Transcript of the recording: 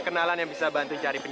kalau terus kembaliwwwwww